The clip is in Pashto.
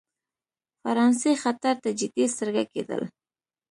فرانسې خطر ته جدي سترګه کېدل.